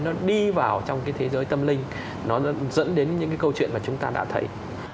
nó đi vào trong cái thế giới tâm linh nó dẫn đến những cái câu chuyện mà chúng ta đã thấy